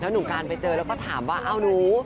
หนุ่มการไปเจอแล้วก็ถามว่าเอาหนู